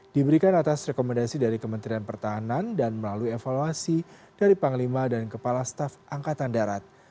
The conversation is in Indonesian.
diberikan atas rekomendasi dari kementerian pertahanan dan melalui evaluasi dari panglima dan kepala staf angkatan darat